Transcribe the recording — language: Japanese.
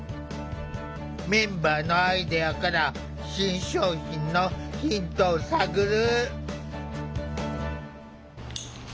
メンバーのアイデアから新商品のヒントを探る。